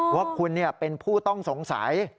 ว่าคุณเป็นผู้ต้องสงสัย